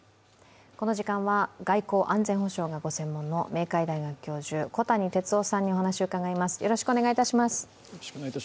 この時間は外交・安全保障がご専門の明海大学教授、小谷哲男さんにお話を伺います。